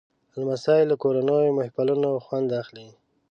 لمسی له کورنیو محفلونو خوند اخلي.